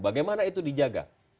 bagaimana itu dijaga